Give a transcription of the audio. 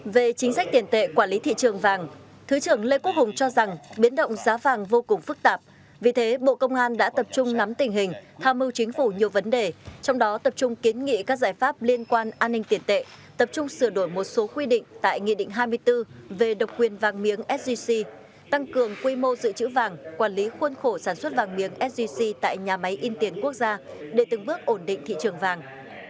về chính sách tiền tệ quản lý thị trường vàng thứ trưởng lê quốc hùng cho rằng biến động giá vàng vô cùng phức tạp vì thế bộ công an đã tập trung nắm tình hình tham mưu chính phủ nhiều vấn đề trong đó tập trung kiến nghị các giải pháp liên quan an ninh tiền tệ tập trung sửa đổi một số quy định tại nghị định hai mươi bốn về độc quyền vàng miếng sgc tăng cường quy mô dự trữ vàng quản lý khuôn khổ sản xuất vàng miếng sgc tại nhà máy in tiến quốc gia để từng bước ổn định thị trường vàng